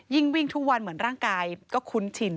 วิ่งทุกวันเหมือนร่างกายก็คุ้นชิน